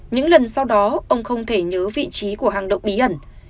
những lần sau đó ông không thể nhớ vị trí của hang động bí ẩn